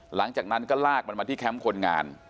หลังจากนั้นก็ลากมันมาที่แคมป์คนงาน